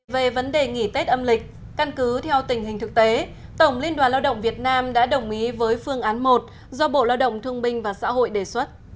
về vấn đề nghỉ tết âm lịch căn cứ theo tình hình thực tế tổng liên đoàn lao động việt nam đã đồng ý với phương án một do bộ lao động thương binh và xã hội đề xuất